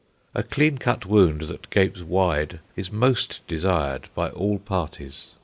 A clean cut wound that gapes wide is most desired by all parties.